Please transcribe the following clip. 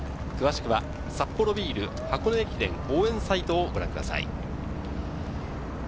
詳しくはサッポロビール箱根駅伝応援サイトをご覧ください。